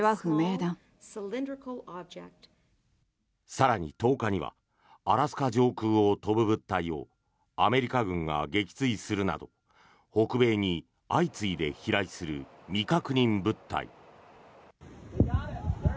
更に、１０日にはアラスカ上空を飛ぶ物体をアメリカ軍が撃墜するなど北米に相次いで飛来する未確認物体。